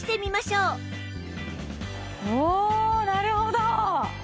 おおなるほど！